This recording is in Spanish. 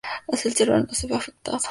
El cerebro no se ve afectado.